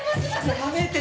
やめて！